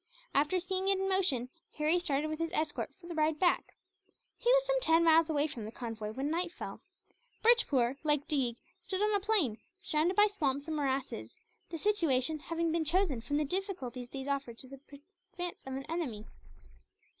After seeing it in motion, Harry started with his escort for the ride back. He was some ten miles away from the convoy when night fell. Bhurtpoor, like Deeg, stood on a plain, surrounded by swamps and morasses; the situation having been chosen from the difficulties these offered to the advance of an enemy.